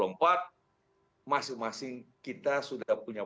masing masing kita sudah punya